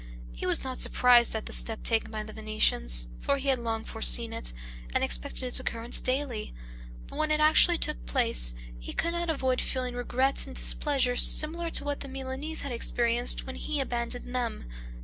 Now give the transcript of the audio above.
He was not surprised at the step taken by the Venetians, for he had long foreseen it, and expected its occurrence daily; but when it actually took place, he could not avoid feeling regret and displeasure similar to what the Milanese had experienced when he abandoned them.